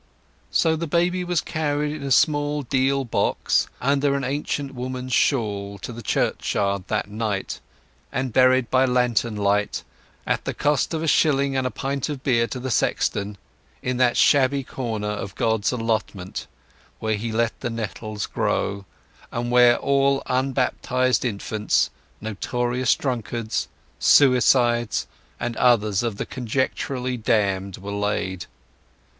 So the baby was carried in a small deal box, under an ancient woman's shawl, to the churchyard that night, and buried by lantern light, at the cost of a shilling and a pint of beer to the sexton, in that shabby corner of God's allotment where He lets the nettles grow, and where all unbaptized infants, notorious drunkards, suicides, and others of the conjecturally damned are laid.